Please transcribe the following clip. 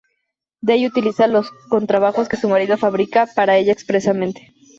Day utiliza los contrabajos que su marido fabrica para ella expresamente.